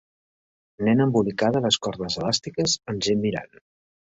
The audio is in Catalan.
Nena embolicada a les cordes elàstiques amb gent mirant.